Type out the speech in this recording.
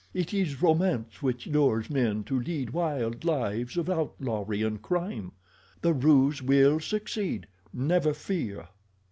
It is romance which lures men to lead wild lives of outlawry and crime. The ruse will succeed—never fear."